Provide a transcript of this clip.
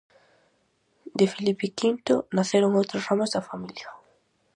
De Filipe Quinto naceron outras ramas da familia.